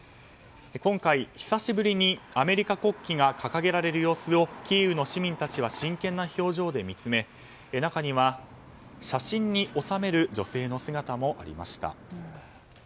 今回、久しぶりにアメリカ国旗が掲げられる様子をキーウの市民たちは真剣な表情で見つめ中には、写真に収める女性の姿もありました。